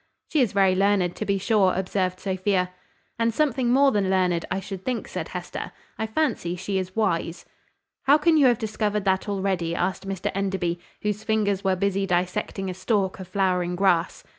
"She is very learned, to be sure," observed Sophia. "And something more than learned, I should think," said Hester; "I fancy she is wise." "How can you have discovered that already?" asked Mr Enderby, whose fingers were busy dissecting a stalk of flowering grass.